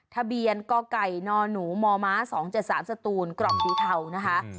ทะเบียนกไก่นหนูมม๒๗๓สตูนกรอบสีเทานะคะ